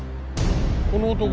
この男。